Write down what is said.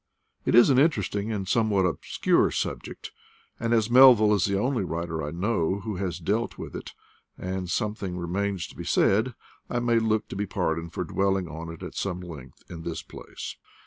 It is an inter esting and somewhat obscure subject; and, as Melville is the only writer I know who has dealt with it, and something remains to be said, I may look to be pardoned for dwelling on it at some length in this place.